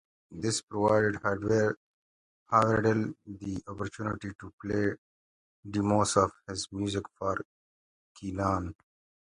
This provided Howerdel the opportunity to play demos of his music for Keenan.